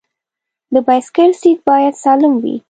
د بایسکل سیټ باید سالم وي.